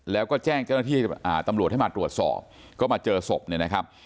แล้วก็แจ้งจับที่ตำรวจให้มาตรวจสอบก็มาเจอศพนะครับ